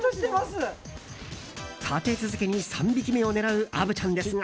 立て続けに３匹目を狙う虻ちゃんですが。